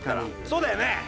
そうだよね？